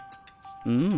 うん。